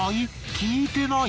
聞いてない？